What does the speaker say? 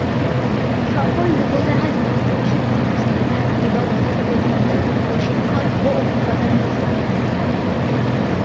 সফল ডুবোজাহাজ বিধ্বংসী যুদ্ধ সেন্সর এবং অস্ত্র প্রযুক্তি, প্রশিক্ষণ ও অভিজ্ঞতার মিশ্রণের উপর নির্ভর করে।